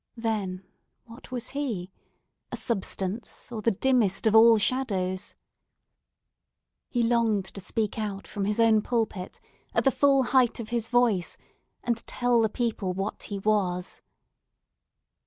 Then what was he?—a substance?—or the dimmest of all shadows? He longed to speak out from his own pulpit at the full height of his voice, and tell the people what he was.